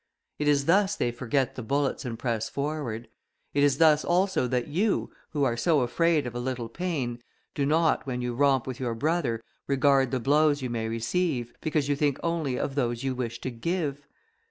It is thus they forget the bullets and press forward; it is thus also that you, who are so afraid of a little pain, do not, when you romp with your brother, regard the blows you may receive, because you think only of those you wish to give.